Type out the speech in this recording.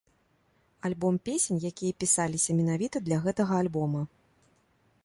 Альбом песень, якія пісаліся менавіта для гэтага альбома.